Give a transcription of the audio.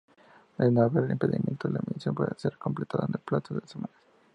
De no haber impedimentos la misión puede ser completada en el plazo de semanas.